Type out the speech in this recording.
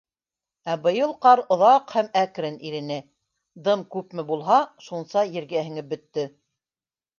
Ә быйыл ҡар оҙаҡ һәм әкрен ирене, дым күпме булһа, шунса ергә һеңеп бөттө.